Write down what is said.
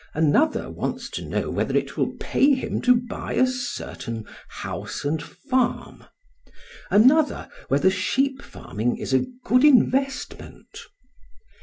Another wants to know whether it will pay him to buy a certain house and farm; another whether sheep farming is a good investment.